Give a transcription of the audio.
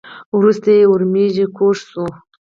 وروسته یې ورمېږ کوږ شو .